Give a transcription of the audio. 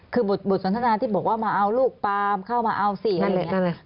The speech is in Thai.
คือบทสนทนาที่บอกว่ามาเอาลูกปาล์มเข้ามาเอาสิอะไรอย่างนี้